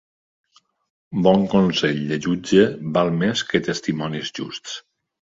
Bon consell de jutge val més que testimonis justs.